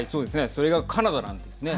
それがカナダなんですね。